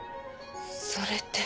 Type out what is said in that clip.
それって。